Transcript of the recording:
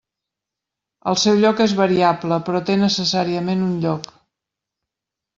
El seu lloc és variable, però té necessàriament un lloc.